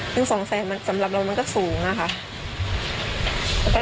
ซึ่ง๒๐๐๐๐๐บาทสำหรับเรามันก็สูงค่ะ